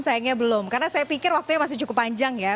sayangnya belum karena saya pikir waktunya masih cukup panjang ya